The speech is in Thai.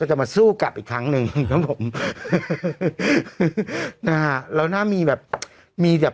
ก็จะมาสู้กลับอีกครั้งนึงนะครับผม